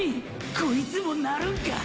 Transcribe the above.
こいつも成るんか！！